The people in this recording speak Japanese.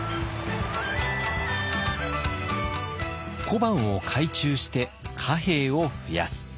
小判を改鋳して貨幣を増やす。